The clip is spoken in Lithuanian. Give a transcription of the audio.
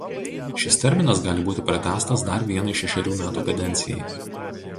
Šis terminas gali būti pratęstas dar vienai šešerių metų kadencijai.